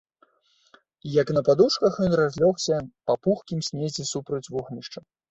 Як на падушках, ён разлёгся па пухкім снезе супроць вогнішча.